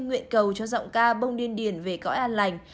nguyện cầu cho giọng ca bông điên điền về cói an lành